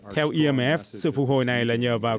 theo imf sự phục hồi này là nhờ vào